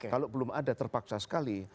kalau belum ada terpaksa sekali